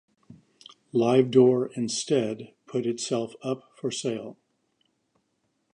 Livedoor instead put itself up for sale.